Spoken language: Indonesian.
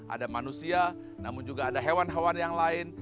ada manusia namun juga ada hewan hewan yang lain